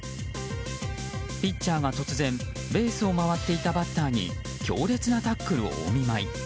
ピッチャーが突然ベースを回っていたバッターに強烈なタックルをお見舞い。